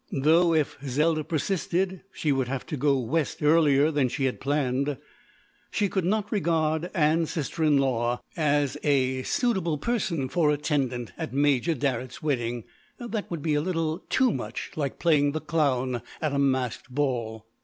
Though if Zelda persisted, she would have to go West earlier than she had planned. She could not regard Ann's sister in law as suitable person for attendant at Major Darrett's wedding. That would be a little too much like playing the clown at a masked ball.